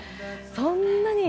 そんなに。